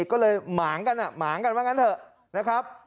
ก็เลยหมางกันหมางกันว่างั้นเถอะนะครับ